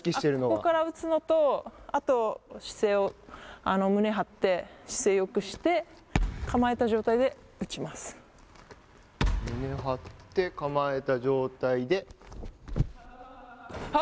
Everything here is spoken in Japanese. ここから打つのとあと姿勢を胸張って姿勢よくして胸張って、構えた状態で。